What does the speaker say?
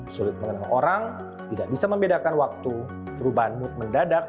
sulit mengenal orang tidak bisa membedakan waktu perubahan mood mendadak